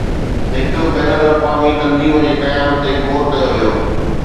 هڪ بين الاقوامي تنظيم جي قيام تي غور ڪيو ويو